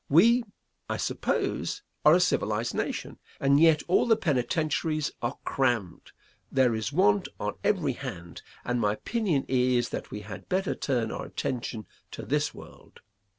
We, I suppose, are a civilized nation, and yet all the penitentiaries are crammed; there is want on every hand, and my opinion is that we had better turn our attention to this world.